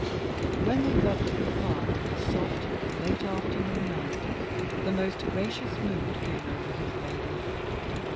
When they got to the farm in the soft late afternoon light, the most gracious mood came over his lady.